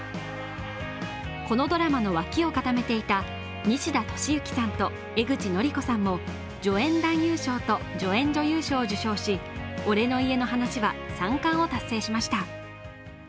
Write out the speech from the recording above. このドラマの脇を固めていた西田敏行さんと江口のりこさんも助演男優賞と助演女優賞を受賞し「俺の家の話」は３冠を達成しました。